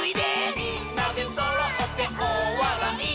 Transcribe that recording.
「みんなでそろっておおわらい」